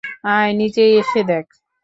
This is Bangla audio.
আয় নিজেই এসে দেখ!